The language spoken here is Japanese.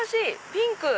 ピンク。